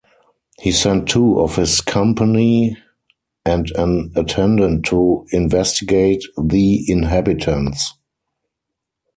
He sent two of his company and an attendant to investigate the inhabitants.